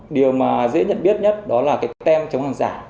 điều mà dễ nhận biết nhất đó là cái tem chống hàng giả